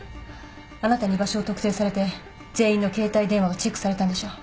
あなたに居場所を特定されて全員の携帯電話がチェックされたんでしょう。